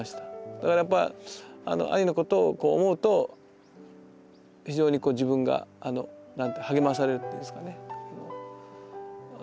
だからやっぱ兄のことを思うと非常に自分が励まされるっていうんですかね。